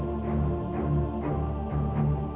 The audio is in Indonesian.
buat kalau lagi kepepet